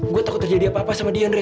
gue takut terjadi apa apa sama dia drek